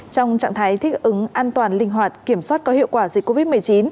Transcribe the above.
trong trạng thái thích ứng an toàn linh hoạt kiểm soát có hiệu quả dịch covid một mươi chín